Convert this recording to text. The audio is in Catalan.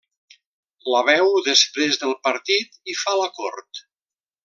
La veu després del partit i fa la cort.